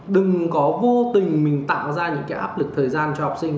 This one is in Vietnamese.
đừng có vô tình mình tạo ra những cái áp lực thời gian cho học sinh